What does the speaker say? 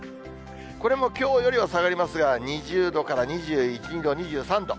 これもきょうよりは下がりますが、２０度から２１、２度、２３度。